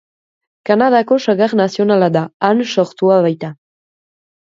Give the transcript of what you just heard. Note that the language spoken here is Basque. Kanadako sagar nazionala da, han sortua baita.